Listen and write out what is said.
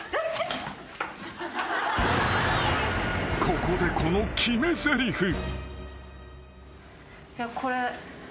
［ここでこの決めぜりふ］